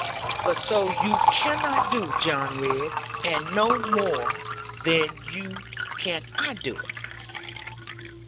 But so you cannot do, John Ridd; and no more than you can I do it.'